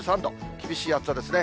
厳しい暑さですね。